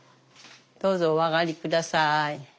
どうぞお上がり下さい。